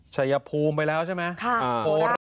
ชะยะพูมไปแล้วใช่ไหมโอ้นะนะ